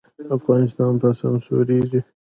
افغانستان به سمسوریږي؟